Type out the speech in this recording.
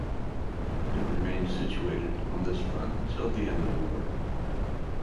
It remained situated on this front until the end of the war.